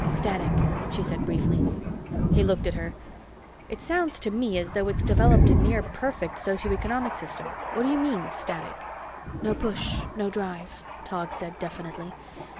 "Static," she said briefly. He looked at her. "It sounds to me as though it's developed a near perfect socio economic system. What do you mean, static?" "No push, no drive," Tog said definitely.